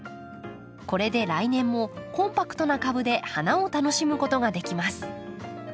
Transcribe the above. これで来年もコンパクトな株で花を楽しむことができます。